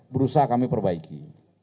berusaha kami perbaiki